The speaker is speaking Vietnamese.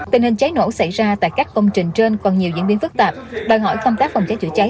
tình hình cháy nổ xảy ra tại các công trình trên còn nhiều diễn biến phức tạp đòi hỏi công tác phòng cháy chữa cháy